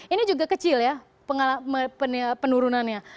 ini juga kecil ya penurunannya